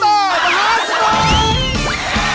มาแล้ว